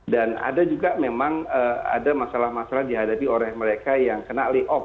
dan ada juga memang ada masalah masalah dihadapi oleh mereka yang kena layoff